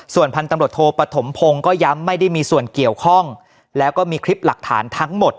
ส่วนพันธุ์ตำรวจโทปฐมพงศ์ก็ย้ำไม่ได้มีส่วนเกี่ยวข้องแล้วก็มีคลิปหลักฐานทั้งหมด